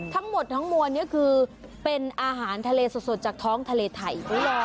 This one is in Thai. ทั้งหมดทั้งมวลนี้คือเป็นอาหารทะเลสดจากท้องทะเลไทย